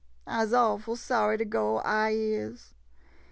I 'se awful sorry to go, I is.